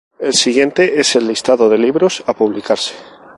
El siguiente es el listado de libros a publicarse.